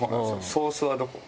ソースはどこ？